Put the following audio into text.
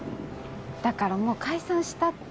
だからもう解散したって。